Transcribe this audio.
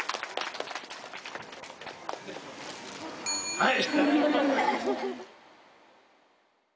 はい！